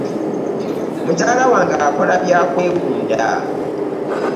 Mukyala wange akola byakwewunda.